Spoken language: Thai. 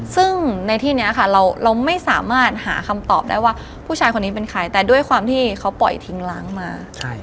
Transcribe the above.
ซึ่งในที่นี้ค่ะเราไม่สามารถหาคำตอบได้ว่าผู้ชายคนนี้เป็นใครแต่ด้วยความที่เขาปล่อยทิ้งล้างมา